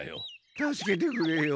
助けてくれよ。